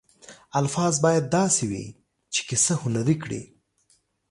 الفاظ باید داسې وي چې کیسه هنري کړي.